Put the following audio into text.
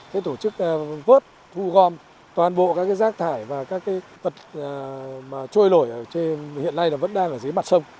thế tổ chức vớt thu gom toàn bộ các rác thải và các vật trôi lổi hiện nay vẫn đang ở dưới mặt sông